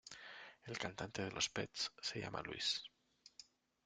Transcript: El cantante de los Pets se llama Luís.